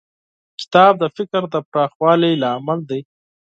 کتاب د فکر د پراخوالي لامل دی.